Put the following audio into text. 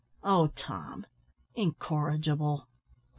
"Oh! Tom incorrigible!"